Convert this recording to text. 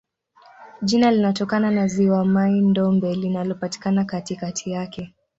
Jina linatokana na ziwa Mai-Ndombe linalopatikana katikati yake.